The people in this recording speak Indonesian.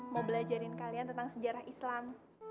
mau belajarin kalian tentang sejarah islam